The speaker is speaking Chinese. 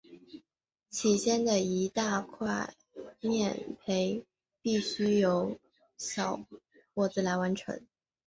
起先的一大块面培必须由年轻力壮的小伙子来完成。